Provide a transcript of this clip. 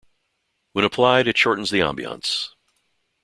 When applied it shortens the ambience.